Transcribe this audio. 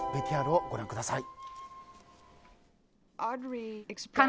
ＶＴＲをご覧ください。